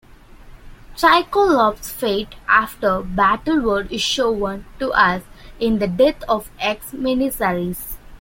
Cyclops's fate after Battleworld is shown to us in the "Death of X" miniseries.